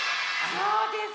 そうです